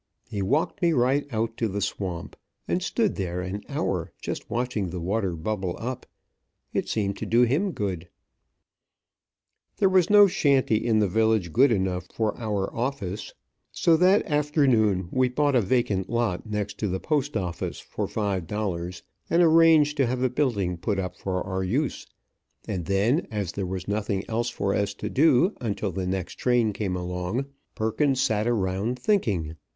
He walked me right out to the swamp, and stood there an hour just watching the water bubble up. It seemed to do him good. There was no shanty in the village good enough for our office, so that afternoon we bought a vacant lot next to the post office for five dollars, and arranged to have a building put up for our use; and then, as there was nothing else for us to do, until the next train came along, Perkins sat around thinking.